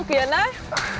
ổ kiến đấy